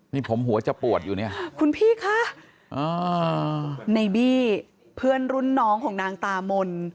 นี่ผมหัวจะปวดอยู่เนี่ยคุณพี่คะในบี้เพื่อนรุ่นน้องของนางตามน